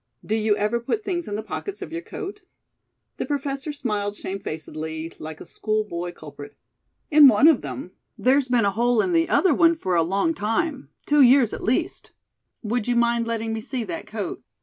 Do you ever put things in the pockets of your coat?" The Professor smiled shamefacedly like a schoolboy culprit. "In one of them. There's been a hole in the other one for a long time two years at least." "Would you mind letting me see that coat?"